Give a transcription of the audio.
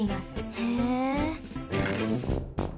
へえ！